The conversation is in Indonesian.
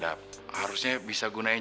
aku kau alih alih bereandaarb